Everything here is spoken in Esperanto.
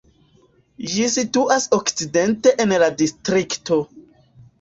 Ĝi situas okcidente en la distrikto.